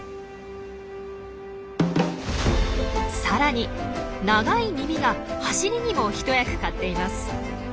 さらに長い耳が走りにも一役買っています。